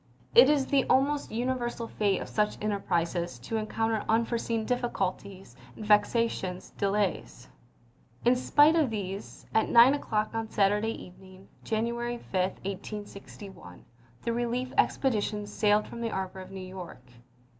It is the almost universal fate of such enterprises to encounter unforeseen difficulties and vexatious delays. In spite of these, at 9 o'clock on Sat urday evening, January 5, 1861, the relief expedi tion sailed from the harbor of New York.